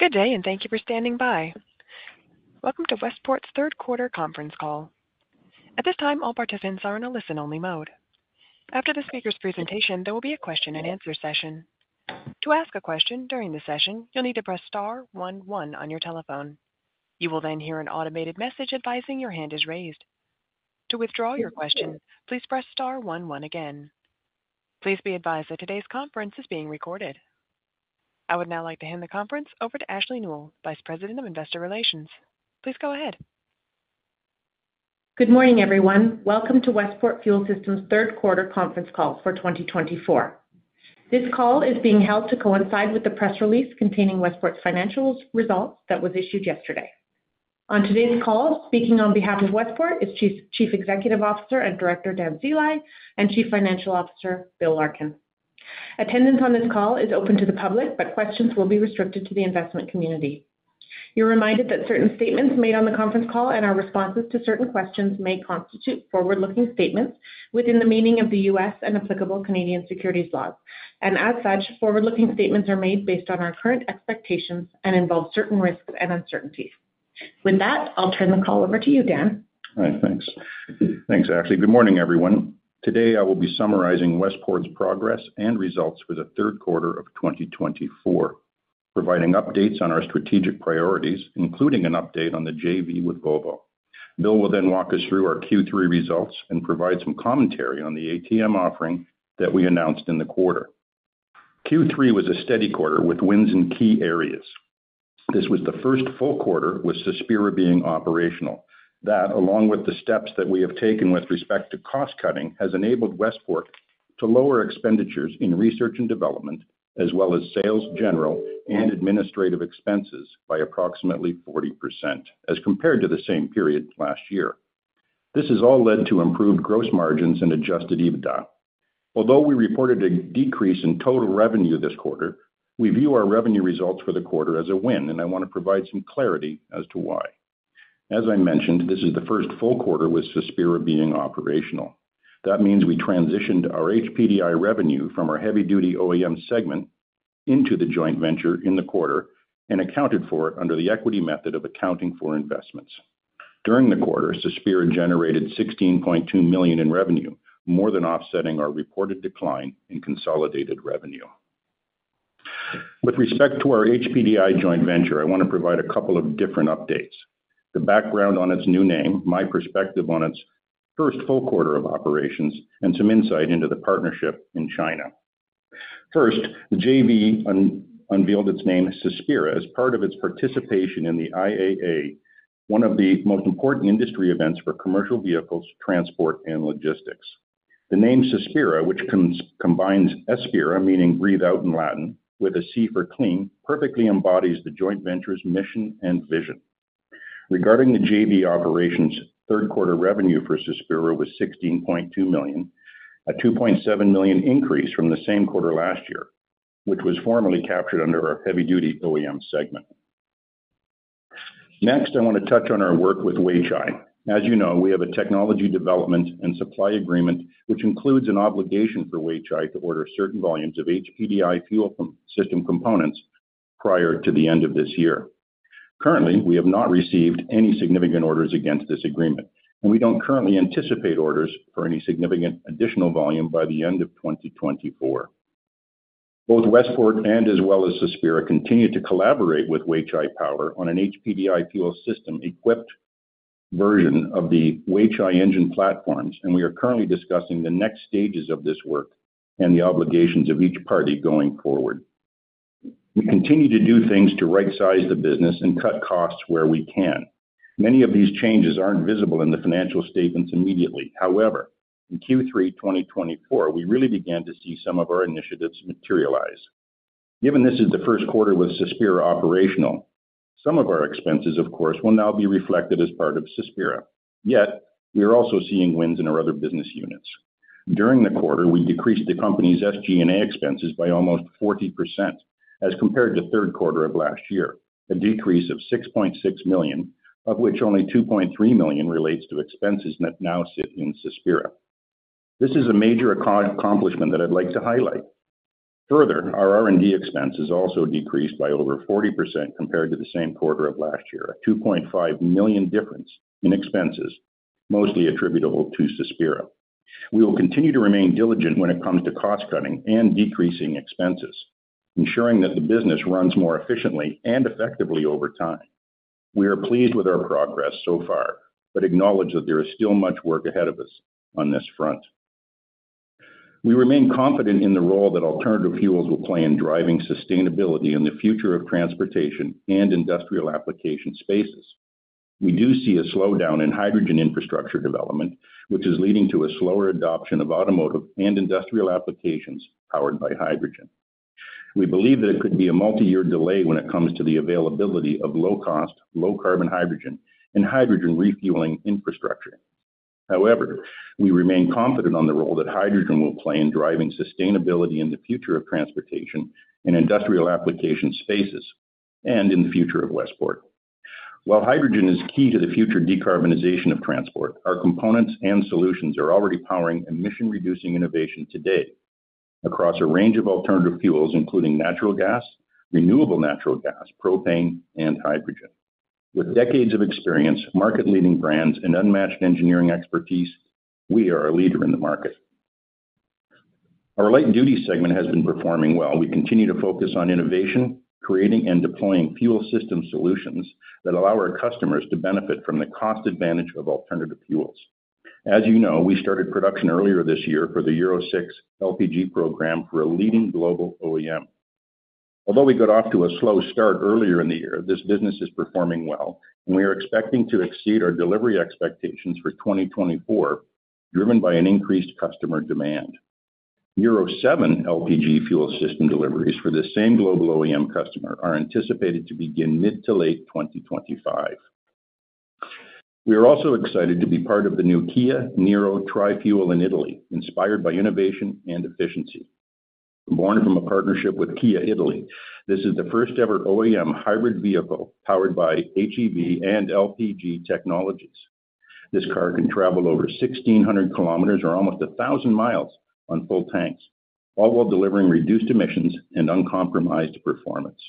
Good day, and thank you for standing by. Welcome to Westport's Q3 Conference Call. At this time, all participants are in a listen-only mode. After the speaker's presentation, there will be a question-and-answer session. To ask a question during the session, you'll need to press star one one on your telephone. You will then hear an automated message advising your hand is raised. To withdraw your question, please press star one one again. Please be advised that today's conference is being recorded. I would now like to hand the conference over to Ashley Nuell, Vice President of Investor Relations. Please go ahead. Good morning, everyone. Welcome to Westport Fuel Systems' Q3 conference call for 2024. This call is being held to coincide with the press release containing Westport's financial results that was issued yesterday. On today's call, speaking on behalf of Westport is Chief Executive Officer and Director Dan Sceli and Chief Financial Officer Bill Larkin. Attendance on this call is open to the public, but questions will be restricted to the investment community. You're reminded that certain statements made on the conference call and our responses to certain questions may constitute forward-looking statements within the meaning of the U.S. and applicable Canadian securities laws, and as such, forward-looking statements are made based on our current expectations and involve certain risks and uncertainties. With that, I'll turn the call over to you, Dan. All right, thanks. Thanks, Ashley. Good morning, everyone. Today, I will be summarizing Westport's progress and results for the Q3 of 2024, providing updates on our strategic priorities, including an update on the JV with Volvo. Bill will then walk us through our Q3 results and provide some commentary on the ATM offering that we announced in the quarter. Q3 was a steady quarter with wins in key areas. This was the first full quarter with Cespira being operational. That, along with the steps that we have taken with respect to cost cutting, has enabled Westport to lower expenditures in research and development, as well as sales general and administrative expenses by approximately 40% as compared to the same period last year. This has all led to improved gross margins and Adjusted EBITDA. Although we reported a decrease in total revenue this quarter, we view our revenue results for the quarter as a win, and I want to provide some clarity as to why. As I mentioned, this is the first full quarter with Cespira being operational. That means we transitioned our HPDI revenue from our heavy-duty OEM segment into the joint venture in the quarter and accounted for it under the equity method of accounting for investments. During the quarter, Cespira generated $16.2 million in revenue, more than offsetting our reported decline in consolidated revenue. With respect to our HPDI joint venture, I want to provide a couple of different updates: the background on its new name, my perspective on its first full quarter of operations, and some insight into the partnership in China. First, the JV unveiled its name, Cespira, as part of its participation in the IAA, one of the most important industry events for commercial vehicles, transport, and logistics. The name Cespira, which combines espira, meaning breathe out in Latin, with a C for clean, perfectly embodies the joint venture's mission and vision. Regarding the JV operations, Q3 revenue for Cespira was $16.2 million, a $2.7 million increase from the same quarter last year, which was formerly captured under our heavy-duty OEM segment. Next, I want to touch on our work with Weichai. As you know, we have a technology development and supply agreement which includes an obligation for Weichai to order certain volumes of HPDI fuel system components prior to the end of this year. Currently, we have not received any significant orders against this agreement, and we don't currently anticipate orders for any significant additional volume by the end of 2024. Both Westport and as well as Cespira continue to collaborate with Weichai Power on an HPDI fuel system equipped version of the Weichai engine platforms, and we are currently discussing the next stages of this work and the obligations of each party going forward. We continue to do things to right-size the business and cut costs where we can. Many of these changes aren't visible in the financial statements immediately. However, in Q3 2024, we really began to see some of our initiatives materialize. Given this is the Q1 with Cespira operational, some of our expenses, of course, will now be reflected as part of Cespira. Yet, we are also seeing wins in our other business units. During the quarter, we decreased the company's SG&A expenses by almost 40% as compared to Q3 of last year, a decrease of $6.6 million, of which only $2.3 million relates to expenses that now sit in Cespira. This is a major accomplishment that I'd like to highlight. Further, our R&D expenses also decreased by over 40% compared to the same quarter of last year, a $2.5 million difference in expenses, mostly attributable to Cespira. We will continue to remain diligent when it comes to cost cutting and decreasing expenses, ensuring that the business runs more efficiently and effectively over time. We are pleased with our progress so far, but acknowledge that there is still much work ahead of us on this front. We remain confident in the role that alternative fuels will play in driving sustainability in the future of transportation and industrial application spaces. We do see a slowdown in hydrogen infrastructure development, which is leading to a slower adoption of automotive and industrial applications powered by hydrogen. We believe that it could be a multi-year delay when it comes to the availability of low-cost, low-carbon hydrogen and hydrogen refueling infrastructure. However, we remain confident on the role that hydrogen will play in driving sustainability in the future of transportation and industrial application spaces and in the future of Westport. While hydrogen is key to the future decarbonization of transport, our components and solutions are already powering emission-reducing innovation today across a range of alternative fuels, including natural gas, renewable natural gas, propane, and hydrogen. With decades of experience, market-leading brands, and unmatched engineering expertise, we are a leader in the market. Our light-duty segment has been performing well. We continue to focus on innovation, creating and deploying fuel system solutions that allow our customers to benefit from the cost advantage of alternative fuels. As you know, we started production earlier this year for the Euro 6 LPG program for a leading global OEM. Although we got off to a slow start earlier in the year, this business is performing well, and we are expecting to exceed our delivery expectations for 2024, driven by an increased customer demand. Euro 7 LPG fuel system deliveries for the same global OEM customer are anticipated to begin mid to late 2025. We are also excited to be part of the new Kia Niro Tri-Fuel in Italy, inspired by innovation and efficiency. Born from a partnership with Kia Italy, this is the first-ever OEM hybrid vehicle powered by HEV and LPG technologies. This car can travel over 1,600 kilometers or almost 1,000 miles on full tanks, all while delivering reduced emissions and uncompromised performance.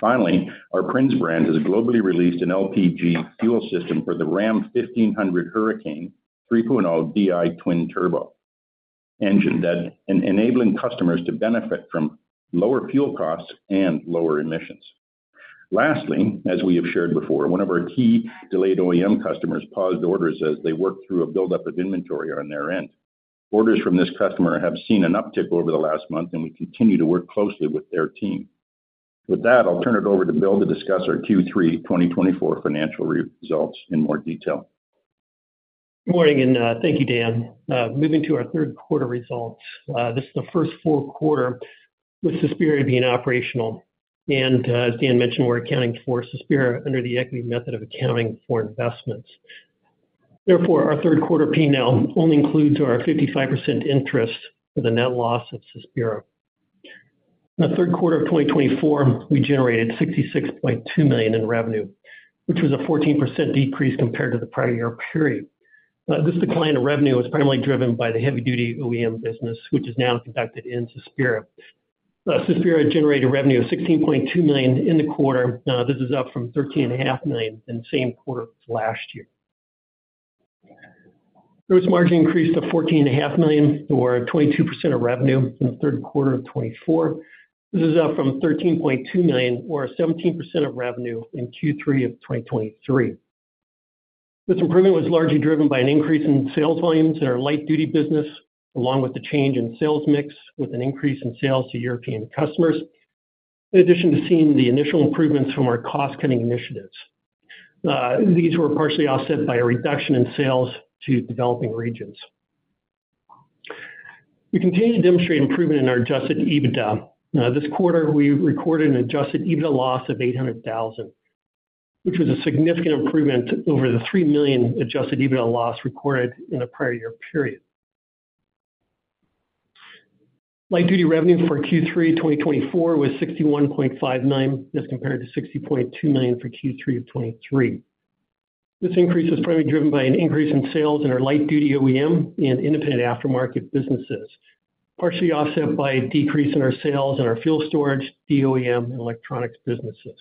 Finally, our Prins brand has globally released an LPG fuel system for the Ram 1500 Hurricane 3.0 DI twin turbo engine that is enabling customers to benefit from lower fuel costs and lower emissions. Lastly, as we have shared before, one of our key delayed OEM customers paused orders as they worked through a buildup of inventory on their end. Orders from this customer have seen an uptick over the last month, and we continue to work closely with their team. With that, I'll turn it over to Bill to discuss our Q3 2024 financial results in more detail. Good morning, and thank you, Dan. Moving to our Q3 results, this is the first full quarter with Cespira being operational. And as Dan mentioned, we're accounting for Cespira under the equity method of accounting for investments. Therefore, our Q3 P&L only includes our 55% interest for the net loss of Cespira. In the Q3 of 2024, we generated $66.2 million in revenue, which was a 14% decrease compared to the prior year period. This decline in revenue was primarily driven by the heavy-duty OEM business, which is now conducted in Cespira. Cespira generated a revenue of $16.2 million in the quarter. This is up from $13.5 million in the same quarter as last year. Gross margin increased to $14.5 million, or 22% of revenue in the Q3 of 2024. This is up from $13.2 million, or 17% of revenue in Q3 of 2023. This improvement was largely driven by an increase in sales volumes in our light-duty business, along with the change in sales mix with an increase in sales to European customers, in addition to seeing the initial improvements from our cost-cutting initiatives. These were partially offset by a reduction in sales to developing regions. We continue to demonstrate improvement in our adjusted EBITDA. This quarter, we recorded an adjusted EBITDA loss of $800,000, which was a significant improvement over the $3 million adjusted EBITDA loss recorded in the prior year period. Light-duty revenue for Q3 2024 was $61.5 million, as compared to $60.2 million for Q3 of 2023. This increase was primarily driven by an increase in sales in our light-duty OEM and independent aftermarket businesses, partially offset by a decrease in our sales in our fuel storage, DOEM, and electronics businesses.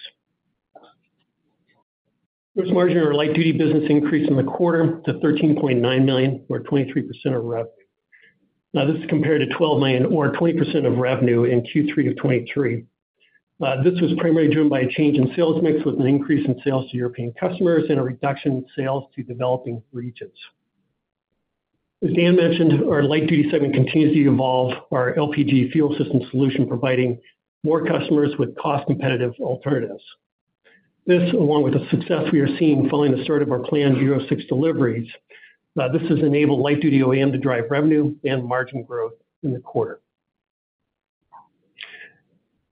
Gross margin in our light-duty business increased in the quarter to $13.9 million, or 23% of revenue. Now, this is compared to $12 million or 20% of revenue in Q3 of 2023. This was primarily driven by a change in sales mix with an increase in sales to European customers and a reduction in sales to developing regions. As Dan mentioned, our light-duty segment continues to evolve, our LPG fuel system solution providing more customers with cost-competitive alternatives. This, along with the success we are seeing following the start of our planned Euro 6 deliveries, this has enabled light-duty OEM to drive revenue and margin growth in the quarter.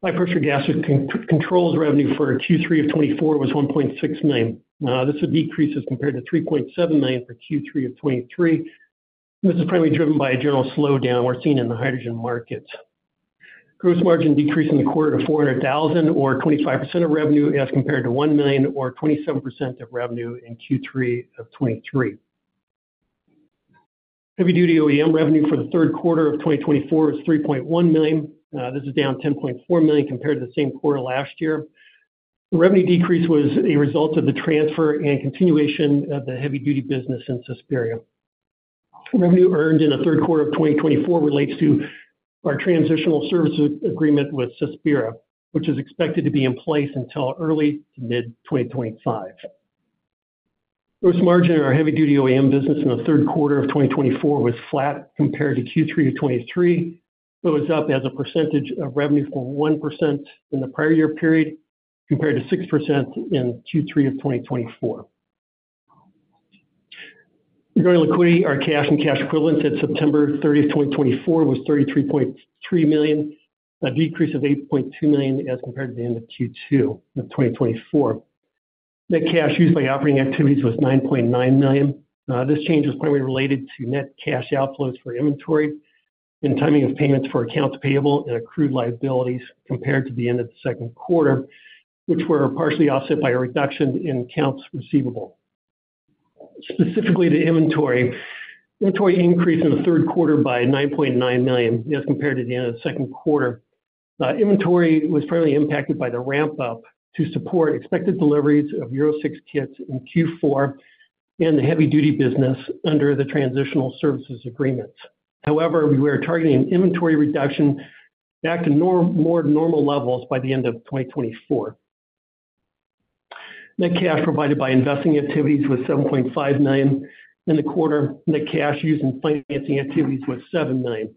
High-pressure gas controls revenue for Q3 of 2024 was $1.6 million. This is a decrease as compared to $3.7 million for Q3 of 2023. This is primarily driven by a general slowdown we're seeing in the hydrogen markets. Gross margin decreased in the quarter to $400,000, or 25% of revenue, as compared to $1 million or 27% of revenue in Q3 of 2023. Heavy-duty OEM revenue for the Q3 of 2024 is $3.1 million. This is down $10.4 million compared to the same quarter last year. The revenue decrease was a result of the transfer and continuation of the heavy-duty business in Cespira. Revenue earned in the Q3 of 2024 relates to our transitional services agreement with Cespira, which is expected to be in place until early to mid-2025. Gross margin in our heavy-duty OEM business in the Q3 of 2024 was flat compared to Q3 of 2023. It was up as a percentage of revenue from 1% in the prior year period compared to 6% in Q3 of 2024. Regarding liquidity, our cash and cash equivalents at September 30th, 2024, was $33.3 million, a decrease of $8.2 million as compared to the end of Q2 of 2024. Net cash used by operating activities was $9.9 million. This change was primarily related to net cash outflows for inventory and timing of payments for accounts payable and accrued liabilities compared to the end of the Q2, which were partially offset by a reduction in accounts receivable. Specifically to inventory, inventory increased in the Q3 by $9.9 million as compared to the end of the Q2. Inventory was primarily impacted by the ramp-up to support expected deliveries of Euro 6 kits in Q4 and the heavy-duty business under the transitional services agreements. However, we were targeting an inventory reduction back to more normal levels by the end of 2024. Net cash provided by investing activities was $7.5 million in the quarter. Net cash used in financing activities was $7 million.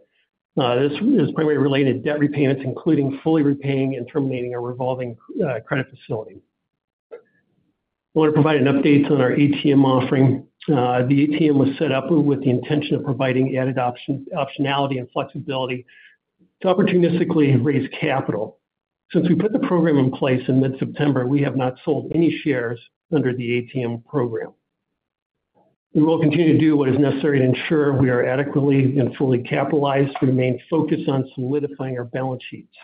This is primarily related to debt repayments, including fully repaying and terminating a revolving credit facility. I want to provide an update on our ATM offering. The ATM was set up with the intention of providing added optionality and flexibility to opportunistically raise capital. Since we put the program in place in mid-September, we have not sold any shares under the ATM program. We will continue to do what is necessary to ensure we are adequately and fully capitalized to remain focused on solidifying our balance sheets.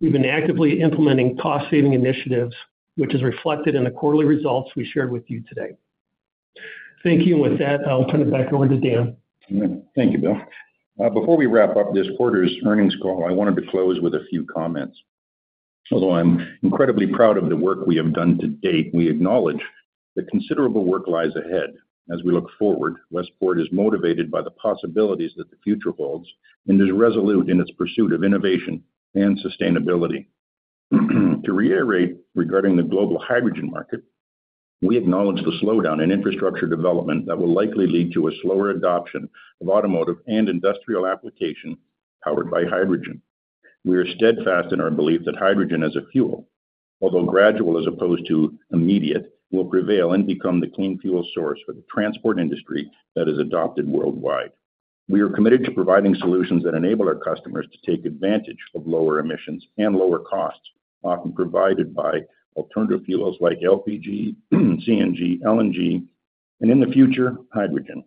We've been actively implementing cost-saving initiatives, which is reflected in the quarterly results we shared with you today. Thank you. And with that, I'll turn it back over to Dan. Thank you, Bill. Before we wrap up this quarter's earnings call, I wanted to close with a few comments. Although I'm incredibly proud of the work we have done to date, we acknowledge that considerable work lies ahead. As we look forward, Westport is motivated by the possibilities that the future holds, and is resolute in its pursuit of innovation and sustainability. To reiterate regarding the global hydrogen market, we acknowledge the slowdown in infrastructure development that will likely lead to a slower adoption of automotive and industrial applications powered by hydrogen. We are steadfast in our belief that hydrogen as a fuel, although gradual as opposed to immediate, will prevail and become the clean fuel source for the transport industry that is adopted worldwide. We are committed to providing solutions that enable our customers to take advantage of lower emissions and lower costs, often provided by alternative fuels like LPG, CNG, LNG, and in the future, hydrogen.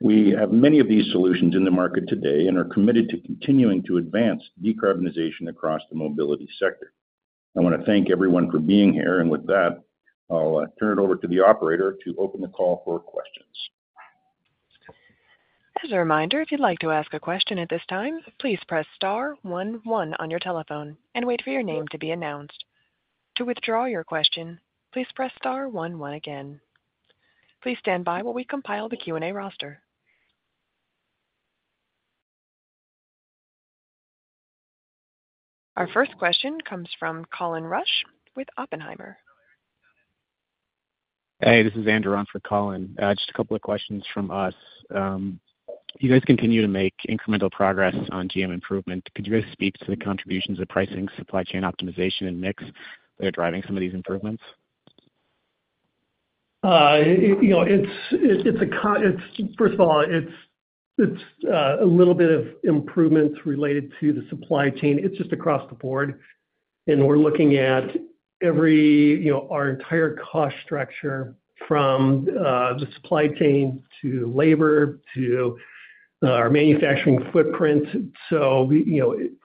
We have many of these solutions in the market today and are committed to continuing to advance decarbonization across the mobility sector. I want to thank everyone for being here. And with that, I'll turn it over to the operator to open the call for questions. As a reminder, if you'd like to ask a question at this time, please press star one one on your telephone and wait for your name to be announced. To withdraw your question, please press star one one again. Please stand by while we compile the Q&A roster. Our first question comes from Colin Rusch with Oppenheimer. Hey, this is Andrew on for Colin. Just a couple of questions from us. You guys continue to make incremental progress on GM improvement. Could you guys speak to the contributions of pricing, supply chain optimization, and mix that are driving some of these improvements? It's, first of all, a little bit of improvements related to the supply chain. It's just across the board, and we're looking at our entire cost structure from the supply chain to labor to our manufacturing footprint, so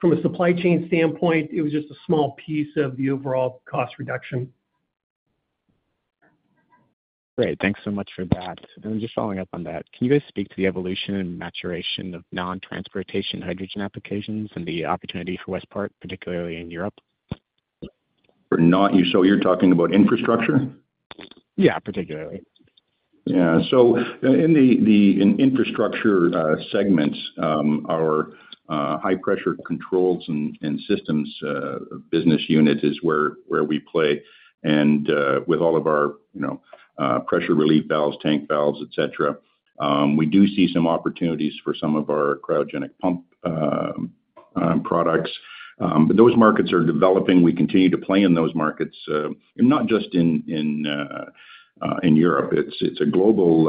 from a supply chain standpoint, it was just a small piece of the overall cost reduction. Great. Thanks so much for that. And just following up on that, can you guys speak to the evolution and maturation of non-transportation hydrogen applications and the opportunity for Westport, particularly in Europe? So you're talking about infrastructure? Yeah, particularly. Yeah. So in the infrastructure segments, our high-pressure controls and systems business unit is where we play. And with all of our pressure relief valves, tank valves, etc., we do see some opportunities for some of our cryogenic pump products. But those markets are developing. We continue to play in those markets, not just in Europe. It's a global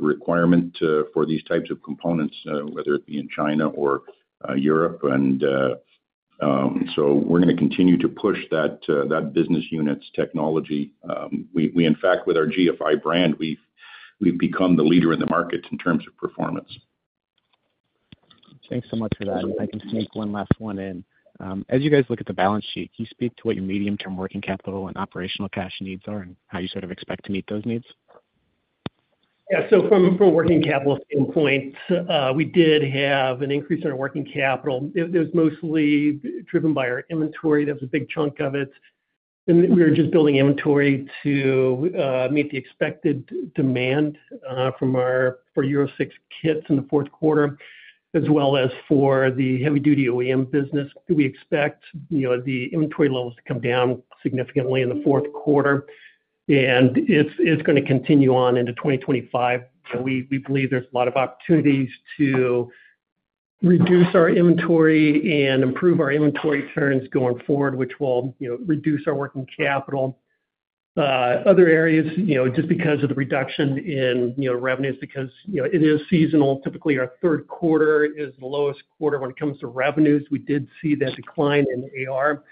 requirement for these types of components, whether it be in China or Europe. And so we're going to continue to push that business unit's technology. In fact, with our GFI brand, we've become the leader in the market in terms of performance. Thanks so much for that. If I can sneak one last one in. As you guys look at the balance sheet, can you speak to what your medium-term working capital and operational cash needs are and how you sort of expect to meet those needs? Yeah. So from a working capital standpoint, we did have an increase in our working capital. It was mostly driven by our inventory. That was a big chunk of it. And we were just building inventory to meet the expected demand for Euro 6 kits in the Q4, as well as for the heavy-duty OEM business. We expect the inventory levels to come down significantly in the Q4. And it's going to continue on into 2025. We believe there's a lot of opportunities to reduce our inventory and improve our inventory turns going forward, which will reduce our working capital. Other areas, just because of the reduction in revenues, because it is seasonal. Typically, our Q3 is the lowest quarter when it comes to revenues. We did see that decline in AR.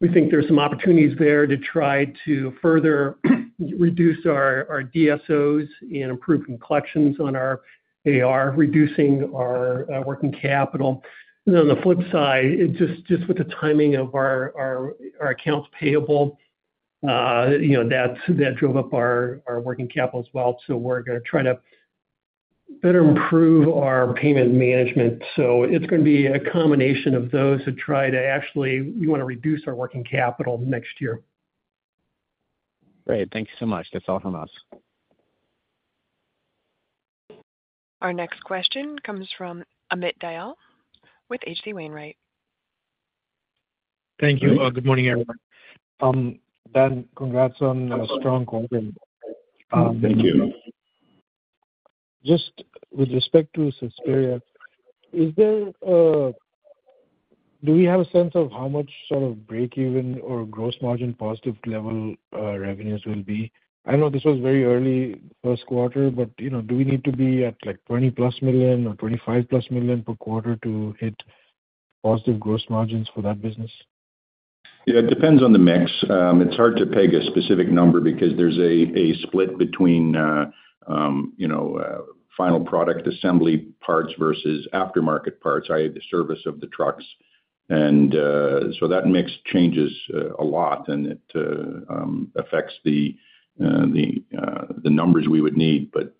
We think there's some opportunities there to try to further reduce our DSOs and improve collections on our AR, reducing our working capital. And on the flip side, just with the timing of our accounts payable, that drove up our working capital as well. So we're going to try to better improve our payment management. So it's going to be a combination of those to try to actually - we want to reduce our working capital next year. Great. Thank you so much. That's all from us. Our next question comes from Amit Dayal with H.C. Wainwright. Thank you. Good morning, everyone. Dan, congrats on a strong quarter. Thank you. Just with respect to Cespira, do we have a sense of how much sort of break-even or gross margin positive level revenues will be? I know this was very early, Q1, but do we need to be at 20-plus million or 25-plus million per quarter to hit positive gross margins for that business? Yeah, it depends on the mix. It's hard to peg a specific number because there's a split between final product assembly parts versus aftermarket parts, i.e., the service of the trucks. And so that mix changes a lot, and it affects the numbers we would need. But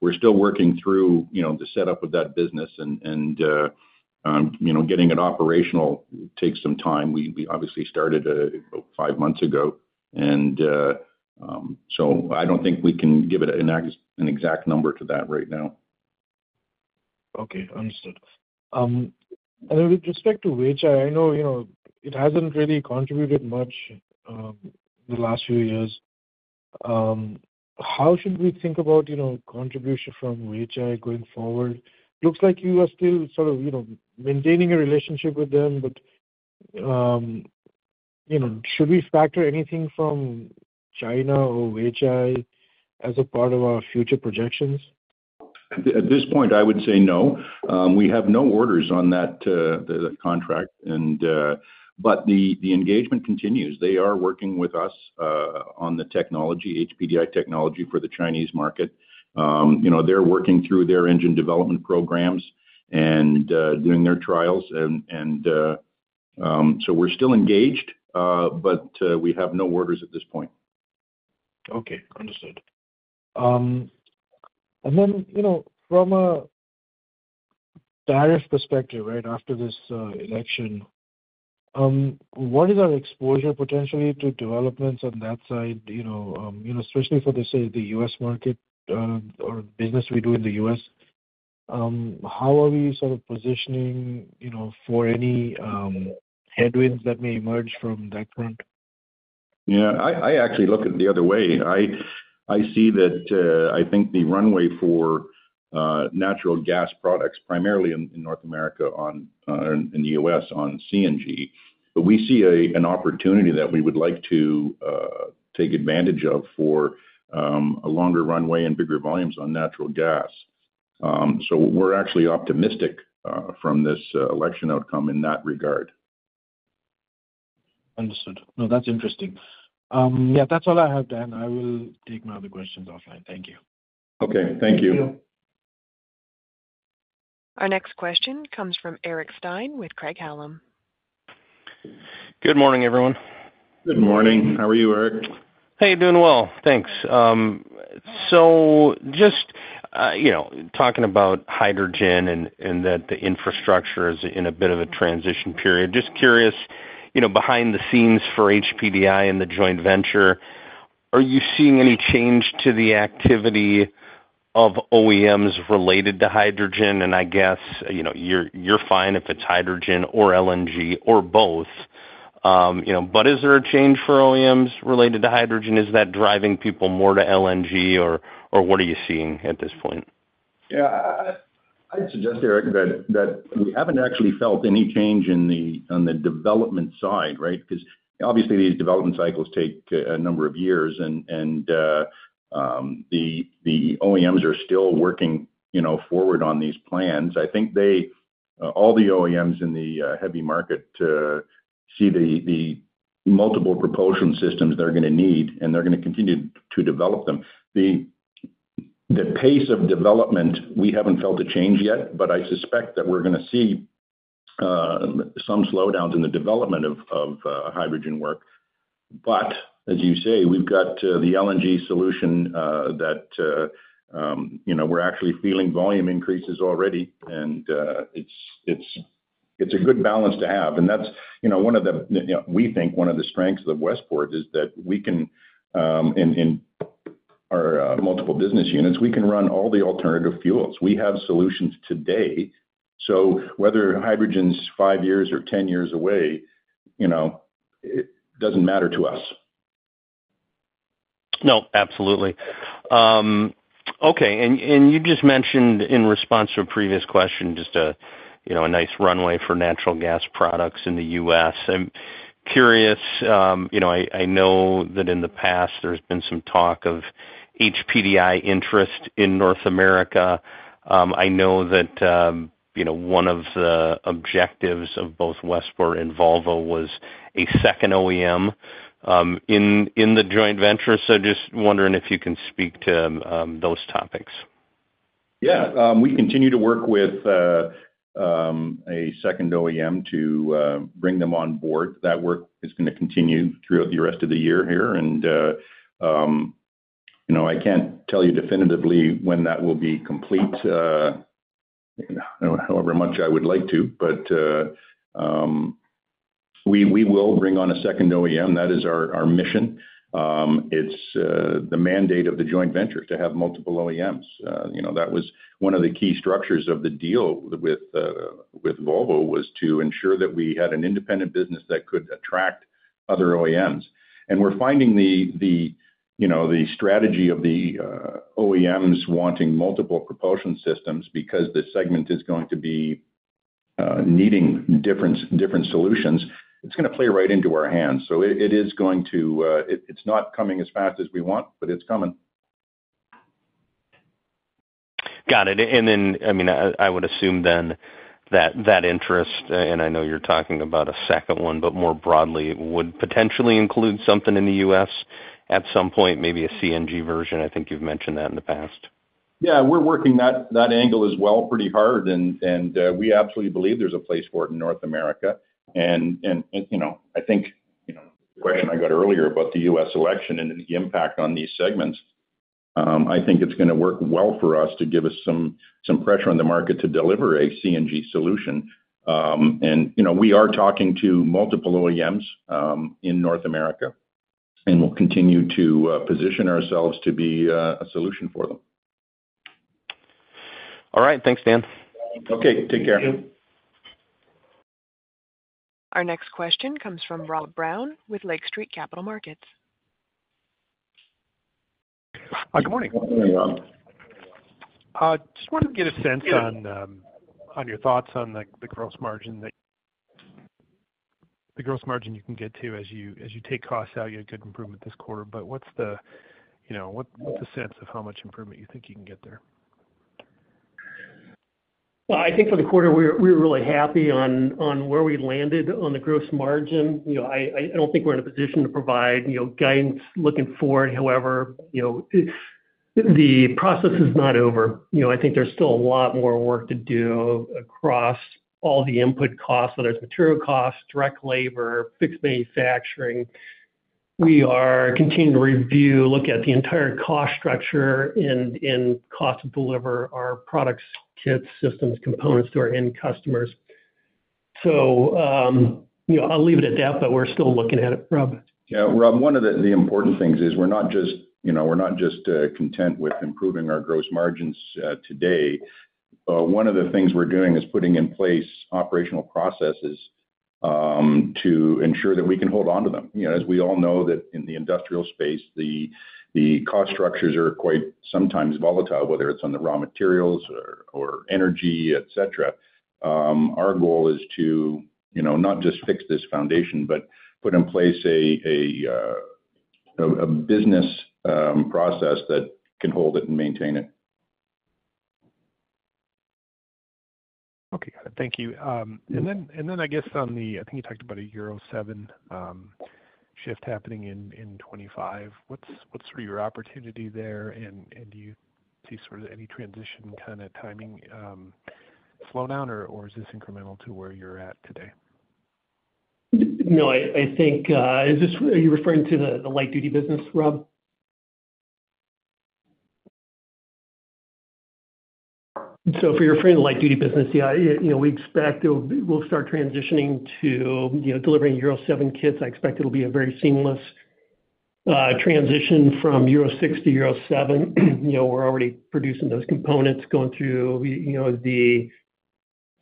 we're still working through the setup of that business, and getting it operational takes some time. We obviously started about five months ago. And so I don't think we can give an exact number to that right now. Okay. Understood and with respect to Weichai, I know it hasn't really contributed much the last few years. How should we think about contribution from Weichai going forward? Looks like you are still sort of maintaining a relationship with them, but should we factor anything from China or Weichai as a part of our future projections? At this point, I would say no. We have no orders on that contract. But the engagement continues. They are working with us on the technology, HPDI technology for the Chinese market. They're working through their engine development programs and doing their trials. And so we're still engaged, but we have no orders at this point. Okay. Understood. And then from a tariff perspective, right, after this election, what is our exposure potentially to developments on that side, especially for, say, the U.S. market or business we do in the U.S.? How are we sort of positioning for any headwinds that may emerge from that front? Yeah. I actually look at it the other way. I see that I think the runway for natural gas products, primarily in North America and the U.S., on CNG. But we see an opportunity that we would like to take advantage of for a longer runway and bigger volumes on natural gas. So we're actually optimistic from this election outcome in that regard. Understood. No, that's interesting. Yeah, that's all I have, Dan. I will take my other questions offline. Thank you. Okay. Thank you. Our next question comes from Eric Stine with Craig-Hallum. Good morning, everyone. Good morning. How are you, Eric? Hey, doing well. Thanks. So just talking about hydrogen and that the infrastructure is in a bit of a transition period, just curious, behind the scenes for HPDI and the joint venture, are you seeing any change to the activity of OEMs related to hydrogen? And I guess you're fine if it's hydrogen or LNG or both. But is there a change for OEMs related to hydrogen? Is that driving people more to LNG, or what are you seeing at this point? Yeah. I'd suggest, Eric, that we haven't actually felt any change on the development side, right? Because obviously, these development cycles take a number of years, and the OEMs are still working forward on these plans. I think all the OEMs in the heavy market see the multiple propulsion systems they're going to need, and they're going to continue to develop them. The pace of development, we haven't felt a change yet, but I suspect that we're going to see some slowdowns in the development of hydrogen work. But as you say, we've got the LNG solution that we're actually feeling volume increases already. And it's a good balance to have. And that's one of the, we think one of the strengths of Westport is that we can, in our multiple business units, we can run all the alternative fuels. We have solutions today. Whether hydrogen's five years or 10 years away, it doesn't matter to us. No, absolutely. Okay. And you just mentioned, in response to a previous question, just a nice runway for natural gas products in the U.S. I'm curious. I know that in the past, there's been some talk of HPDI interest in North America. I know that one of the objectives of both Westport and Volvo was a second OEM in the joint venture. So just wondering if you can speak to those topics. Yeah. We continue to work with a second OEM to bring them on board. That work is going to continue throughout the rest of the year here. And I can't tell you definitively when that will be complete, however much I would like to. But we will bring on a second OEM. That is our mission. It's the mandate of the joint venture to have multiple OEMs. That was one of the key structures of the deal with Volvo, was to ensure that we had an independent business that could attract other OEMs. And we're finding the strategy of the OEMs wanting multiple propulsion systems because the segment is going to be needing different solutions. It's going to play right into our hands. So it is going to. It's not coming as fast as we want, but it's coming. Got it. And then, I mean, I would assume then that that interest, and I know you're talking about a second one, but more broadly, it would potentially include something in the U.S. at some point, maybe a CNG version. I think you've mentioned that in the past. Yeah. We're working that angle as well pretty hard. And we absolutely believe there's a place for it in North America. And I think the question I got earlier about the U.S. election and the impact on these segments, I think it's going to work well for us to give us some pressure on the market to deliver a CNG solution. And we are talking to multiple OEMs in North America, and we'll continue to position ourselves to be a solution for them. All right. Thanks, Dan. Okay. Take care. Our next question comes from Rob Brown with Lake Street Capital Markets. Good morning. Good morning, Rob. Just wanted to get a sense on your thoughts on the gross margin. The gross margin you can get to as you take costs out, you had good improvement this quarter. But what's the sense of how much improvement you think you can get there? I think for the quarter, we were really happy on where we landed on the gross margin. I don't think we're in a position to provide guidance looking forward. However, the process is not over. I think there's still a lot more work to do across all the input costs, whether it's material costs, direct labor, fixed manufacturing. We are continuing to review, look at the entire cost structure and cost to deliver our products, kits, systems, components to our end customers. I'll leave it at that, but we're still looking at it, Rob. Yeah. Rob, one of the important things is we're not just - we're not just content with improving our gross margins today. One of the things we're doing is putting in place operational processes to ensure that we can hold on to them. As we all know that in the industrial space, the cost structures are quite sometimes volatile, whether it's on the raw materials or energy, etc. Our goal is to not just fix this foundation, but put in place a business process that can hold it and maintain it. Okay. Got it. Thank you. And then I guess on the-I think you talked about a Euro 7 shift happening in 2025. What's sort of your opportunity there? And do you see sort of any transition kind of timing slowdown, or is this incremental to where you're at today? No. I think, are you referring to the light-duty business, Rob? So if you're referring to the light-duty business, yeah, we expect we'll start transitioning to delivering Euro 7 kits. I expect it'll be a very seamless transition from Euro 6 to Euro 7. We're already producing those components, going through the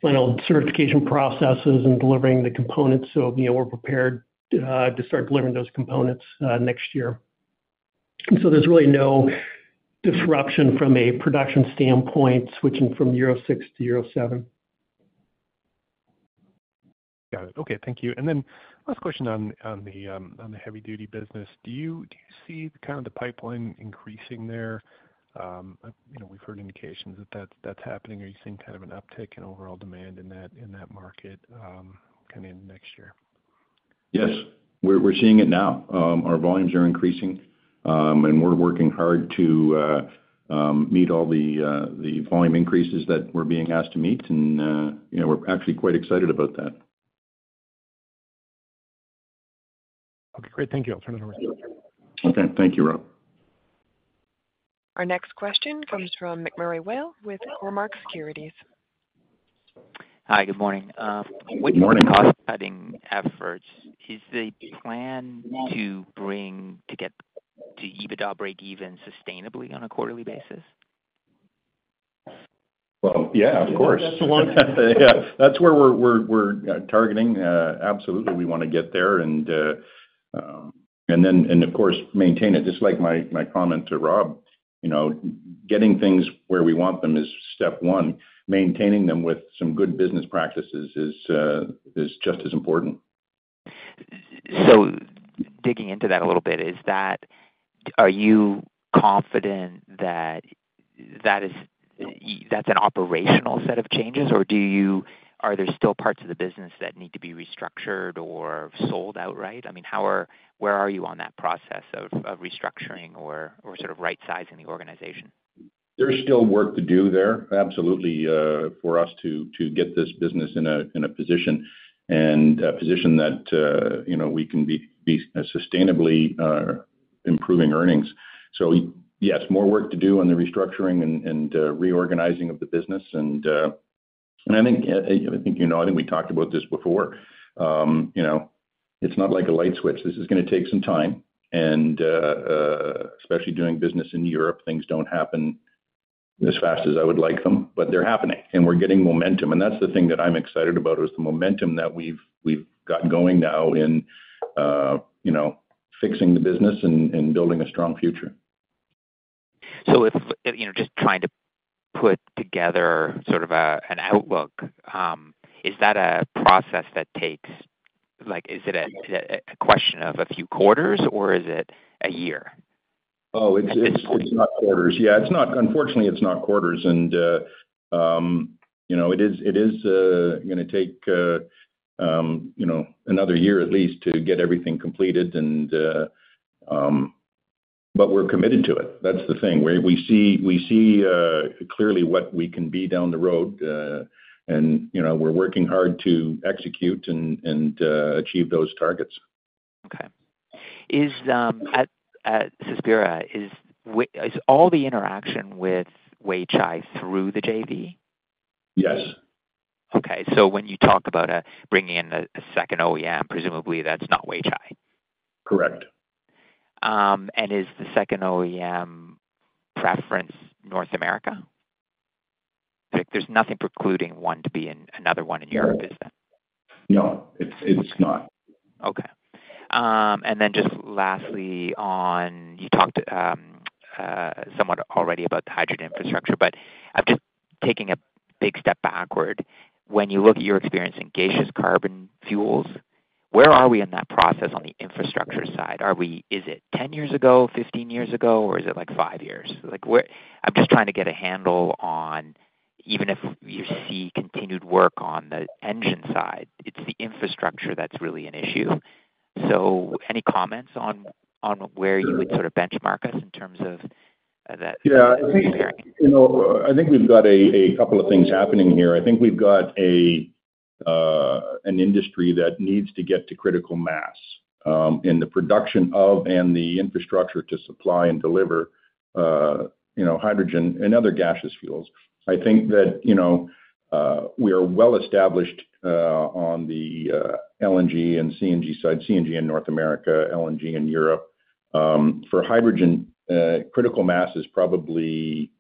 final certification processes and delivering the components. So we're prepared to start delivering those components next year. And so there's really no disruption from a production standpoint switching from Euro 6 to Euro 7. Got it. Okay. Thank you. And then last question on the heavy-duty business. Do you see kind of the pipeline increasing there? We've heard indications that that's happening. Are you seeing kind of an uptick in overall demand in that market kind of in the next year? Yes. We're seeing it now. Our volumes are increasing, and we're working hard to meet all the volume increases that we're being asked to meet. And we're actually quite excited about that. Okay. Great. Thank you. I'll turn it over to you. Okay. Thank you, Rob. Our next question comes from MacMurray Whale with Cormark Securities. Hi. Good morning. With cost-cutting efforts, is the plan to get to EBITDA break-even sustainably on a quarterly basis? Well, yeah, of course. That's a long-term thing. Yeah. That's where we're targeting. Absolutely. We want to get there. And then, of course, maintain it. Just like my comment to Rob, getting things where we want them is step one. Maintaining them with some good business practices is just as important. Digging into that a little bit, are you confident that's an operational set of changes, or are there still parts of the business that need to be restructured or sold outright? I mean, where are you on that process of restructuring or sort of right-sizing the organization? There's still work to do there, absolutely, for us to get this business in a position that we can be sustainably improving earnings. So yes, more work to do on the restructuring and reorganizing of the business. I think you know we talked about this before. It's not like a light switch. This is going to take some time. Especially doing business in Europe, things don't happen as fast as I would like them, but they're happening. We're getting momentum. That's the thing that I'm excited about, is the momentum that we've got going now in fixing the business and building a strong future. So just trying to put together sort of an outlook, is that a process that takes, is it a question of a few quarters, or is it a year? Oh, it's not quarters. Yeah. Unfortunately, it's not quarters. And it is going to take another year at least to get everything completed. But we're committed to it. That's the thing. We see clearly what we can be down the road. And we're working hard to execute and achieve those targets. Okay. At Cespira, is all the interaction with Weichai through the JV? Yes. When you talk about bringing in a second OEM, presumably that's not Weichai? Correct. Is the second OEM preference North America? There's nothing precluding another one in Europe, is there? No. It's not. Okay. And then just lastly, you talked somewhat already about the hydrogen infrastructure, but I'm just taking a big step backward. When you look at your experience in gaseous carbon fuels, where are we in that process on the infrastructure side? Is it 10 years ago, 15 years ago, or is it like five years? I'm just trying to get a handle on, even if you see continued work on the engine side, it's the infrastructure that's really an issue. So any comments on where you would sort of benchmark us in terms of that comparing? Yeah. I think we've got a couple of things happening here. I think we've got an industry that needs to get to critical mass in the production of and the infrastructure to supply and deliver hydrogen and other gaseous fuels. I think that we are well established on the LNG and CNG side, CNG in North America, LNG in Europe. For hydrogen, critical mass is probably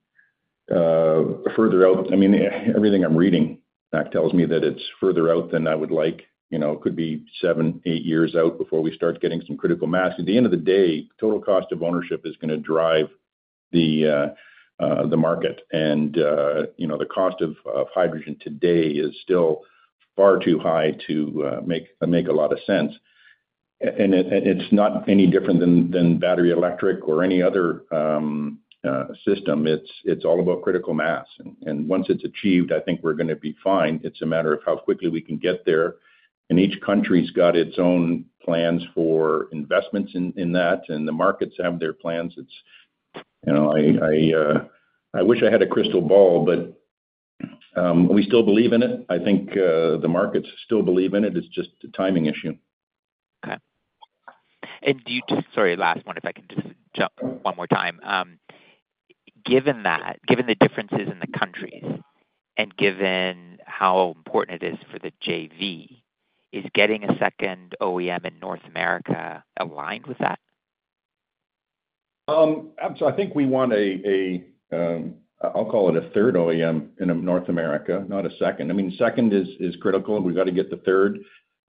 further out. I mean, everything I'm reading tells me that it's further out than I would like. It could be seven, eight years out before we start getting some critical mass. At the end of the day, total cost of ownership is going to drive the market, and the cost of hydrogen today is still far too high to make a lot of sense, and it's not any different than battery electric or any other system. It's all about critical mass. Once it's achieved, I think we're going to be fine. It's a matter of how quickly we can get there. Each country's got its own plans for investments in that. The markets have their plans. I wish I had a crystal ball, but we still believe in it. I think the markets still believe in it. It's just a timing issue. Okay. And sorry, last one, if I can just jump one more time. Given the differences in the countries and given how important it is for the JV, is getting a second OEM in North America aligned with that? So I think we want a, I'll call it a third OEM in North America, not a second. I mean, second is critical. We've got to get the third.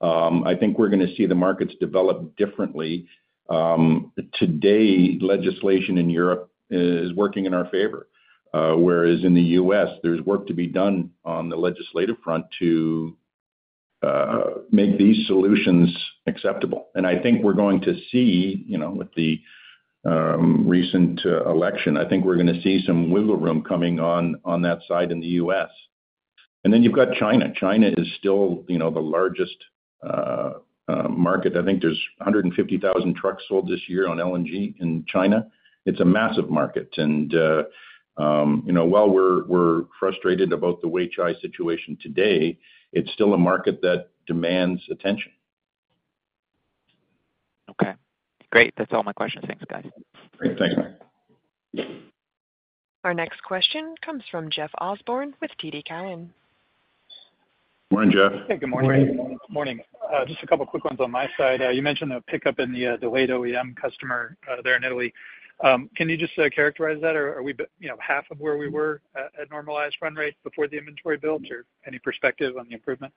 I think we're going to see the markets develop differently. Today, legislation in Europe is working in our favor, whereas in the U.S., there's work to be done on the legislative front to make these solutions acceptable. And I think we're going to see with the recent election, I think we're going to see some wiggle room coming on that side in the U.S. And then you've got China. China is still the largest market. I think there's 150,000 trucks sold this year on LNG in China. It's a massive market. And while we're frustrated about the Weichai situation today, it's still a market that demands attention. Okay. Great. That's all my questions. Thanks, guys. Great. Thanks, Mac. Our next question comes from Jeff Osborne with TD Cowen. Good morning, Jeff. Hey. Good morning. Good morning. Just a couple of quick ones on my side. You mentioned a pickup in the delayed OEM customer there in Italy. Can you just characterize that? Are we half of where we were at normalized run rate before the inventory build, or any perspective on the improvement?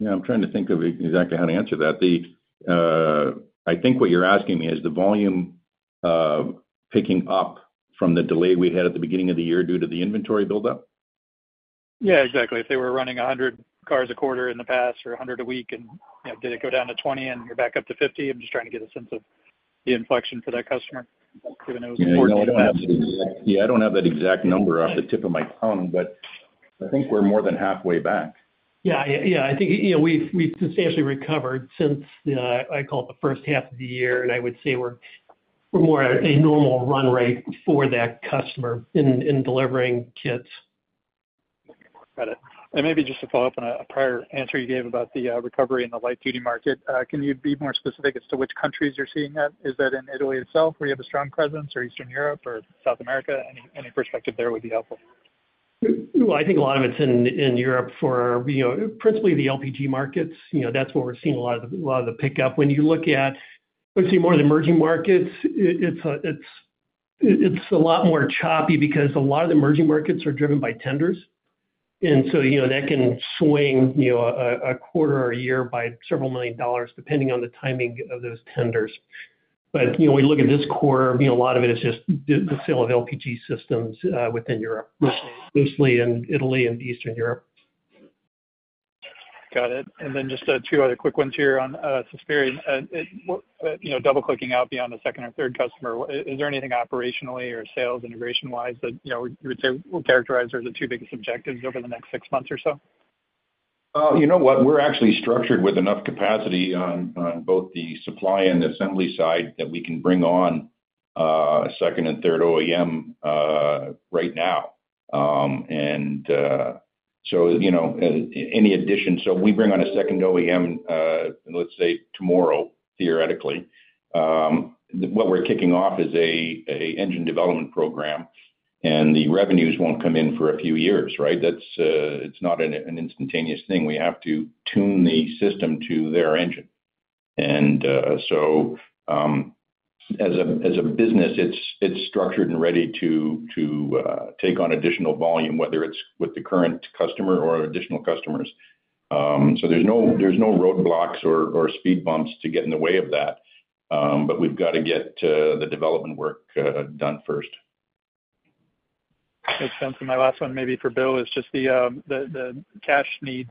Yeah. I'm trying to think of exactly how to answer that. I think what you're asking me is the volume picking up from the delay we had at the beginning of the year due to the inventory buildup? Yeah. Exactly. If they were running 100 cars a quarter in the past or 100 a week, and did it go down to 20, and you're back up to 50? I'm just trying to get a sense of the inflection for that customer, given it was a quarter and a half. Yeah. I don't have that exact number off the tip of my tongue, but I think we're more than halfway back. Yeah. Yeah. I think we've substantially recovered since I called the first half of the year. And I would say we're more at a normal run rate for that customer in delivering kits. Got it, and maybe just to follow up on a prior answer you gave about the recovery in the light-duty market, can you be more specific as to which countries you're seeing that? Is that in Italy itself where you have a strong presence, or Eastern Europe, or South America? Any perspective there would be helpful. I think a lot of it's in Europe for principally the LPG markets. That's where we're seeing a lot of the pickup. When you look at, let's say, more of the emerging markets, it's a lot more choppy because a lot of the emerging markets are driven by tenders, and so that can swing a quarter or a year by several million dollars, depending on the timing of those tenders, but when you look at this quarter, a lot of it is just the sale of LPG systems within Europe, mostly in Italy and Eastern Europe. Got it. And then just two other quick ones here on Cespira. Double-clicking out beyond the second or third customer, is there anything operationally or sales integration-wise that you would say will characterize as the two biggest objectives over the next six months or so? You know what? We're actually structured with enough capacity on both the supply and assembly side that we can bring on a second and third OEM right now. And so any addition so we bring on a second OEM, let's say, tomorrow, theoretically. What we're kicking off is an engine development program, and the revenues won't come in for a few years, right? It's not an instantaneous thing. We have to tune the system to their engine. And so as a business, it's structured and ready to take on additional volume, whether it's with the current customer or additional customers. So there's no roadblocks or speed bumps to get in the way of that. But we've got to get the development work done first. Makes sense. And my last one maybe for Bill is just the cash needs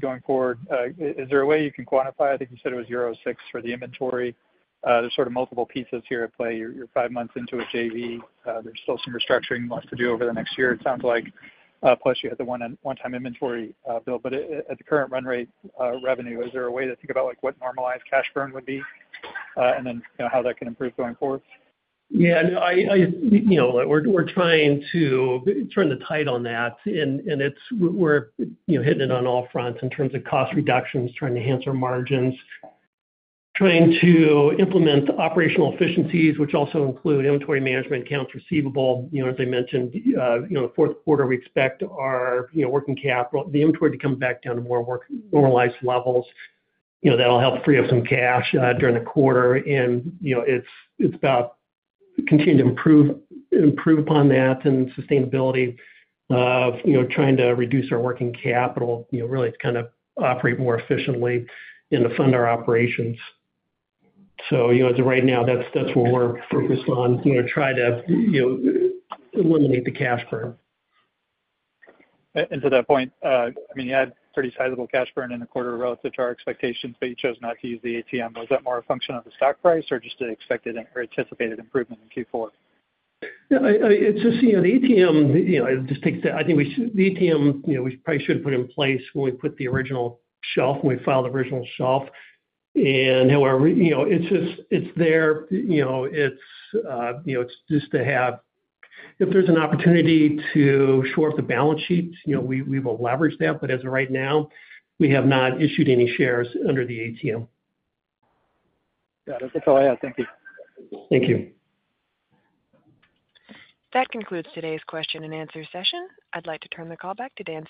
going forward. Is there a way you can quantify? I think you said it was Euro 6 for the inventory. There's sort of multiple pieces here at play. You're five months into a JV. There's still some restructuring left to do over the next year, it sounds like. Plus, you had the one-time inventory build. But at the current run rate revenue, is there a way to think about what normalized cash burn would be and then how that can improve going forward? Yeah. We're trying to turn the tide on that. And we're hitting it on all fronts in terms of cost reductions, trying to enhance our margins, trying to implement operational efficiencies, which also include inventory management, accounts receivable. As I mentioned, the Q4, we expect our working capital, the inventory to come back down to more normalized levels. That'll help free up some cash during the quarter. And it's about continuing to improve upon that and sustainability of trying to reduce our working capital, really to kind of operate more efficiently and to fund our operations. So as of right now, that's what we're focused on, trying to eliminate the cash burn. To that point, I mean, you had pretty sizable cash burn in the quarter relative to our expectations, but you chose not to use the ATM. Was that more a function of the stock price or just an expected or anticipated improvement in Q4? Yeah. It's just the ATM, it just takes the, I think, the ATM we probably should have put in place when we put the original shelf, when we filed the original shelf. And however, it's there. It's just to have if there's an opportunity to shore up the balance sheet, we will leverage that. But as of right now, we have not issued any shares under the ATM. Got it. That's all I have. Thank you. Thank you. That concludes today's question and answer session. I'd like to turn the call back to Dan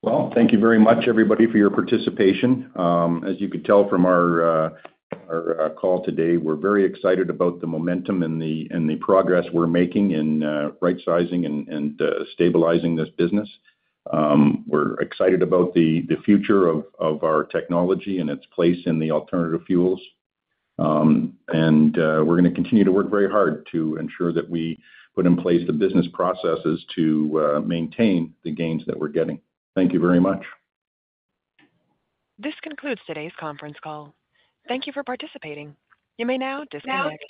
Sceli for closing remarks. Thank you very much, everybody, for your participation. As you could tell from our call today, we're very excited about the momentum and the progress we're making in right-sizing and stabilizing this business. We're excited about the future of our technology and its place in the alternative fuels. We're going to continue to work very hard to ensure that we put in place the business processes to maintain the gains that we're getting. Thank you very much. This concludes today's conference call. Thank you for participating. You may now disconnect.